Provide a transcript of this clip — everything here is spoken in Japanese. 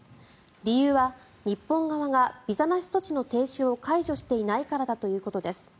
理由は日本側がビザなし措置の停止を解除していないからだということです。